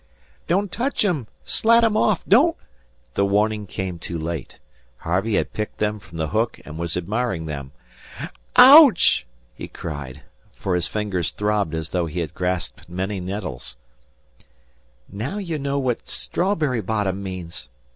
"Don't tech 'em. Slat 'em off. Don't " The warning came too late. Harvey had picked them from the hook, and was admiring them. "Ouch!" he cried, for his fingers throbbed as though he had grasped many nettles. "Now ye know what strawberry bottom means.